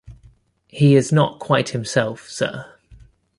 He is not quite himself, sir.